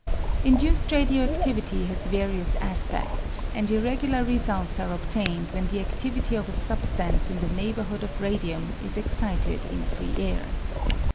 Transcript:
Induced radio adivity has various aspeds, and irregular results are obtained when the adivity of a substance in the neighbourhood of radium is excited in free air.